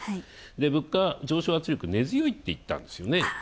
物価の上昇圧力、根強いって言ったんですよね。